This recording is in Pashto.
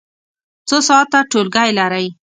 څو ساعته ټولګی لرئ؟